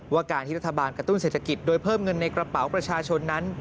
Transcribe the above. ว่าการที่รัฐบาลกระตุ้นเศรษฐกิจโดยเพิ่มเงินในกระเป๋าประชาชนนั้น